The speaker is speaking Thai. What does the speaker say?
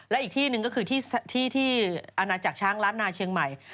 และอีกที่หนึ่งก็คือที่ที่อาณาจักรช้างล้านนาเชียงใหม่